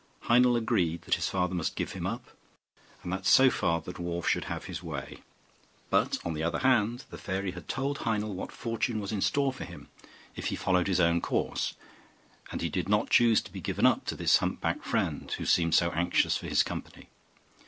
Heinel agreed that his father must give him up, and that so far the dwarf should have his way: but, on the other hand, the fairy had told Heinel what fortune was in store for him, if he followed his own course; and he did not choose to be given up to his hump backed friend, who seemed so anxious for his company.